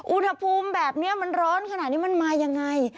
อุณหภูมิแบบนี้มันร้อนขนาดนี้มันมายังไง